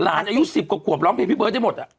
หลานอายุ๑๐กว่าร้องเพลงพี่เบิร์ตได้หมดอ่ะ